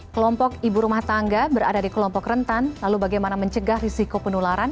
kelompok ibu rumah tangga berada di kelompok rentan lalu bagaimana mencegah risiko penularan